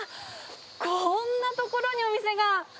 こんな所にお店が。